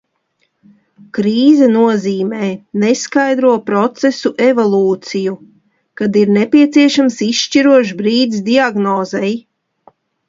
Krīze nozīmē neskaidro procesu evolūciju, kad ir nepieciešams izšķirošs brīdis diagnozei.